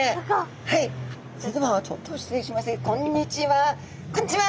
はいそれではちょっと失礼しましてこんにちは。